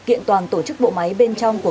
kiện toàn tổ chức bộ máy bên trong của